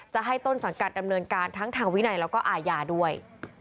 จะให้ต้นสังกัดดำเนินการทั้งทางวินัยแล้วก็อาญาด้วย